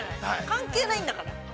関係ないんだから。